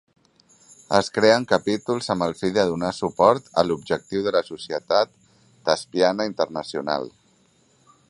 Es creen capítols amb el fi de donar suport a l'objectiu de la Societat Tespiana Internacional.